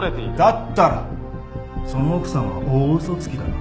だったらその奥さんは大嘘つきだな。